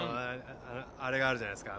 あれがあるじゃないですか。